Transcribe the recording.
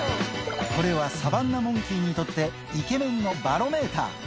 これはサバンナモンキーにとって、イケメンのバロメーター。